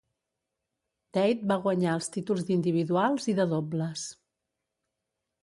Date va guanyar els títols d'individuals i de dobles.